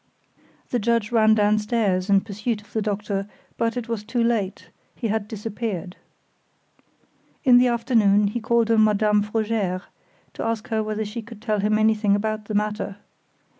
The judge ran downstairs in pursuit of the doctor, but it was too late; he had disappeared. In the afternoon, he called on Madame Frogère, to ask her whether she could tell him anything about the matter.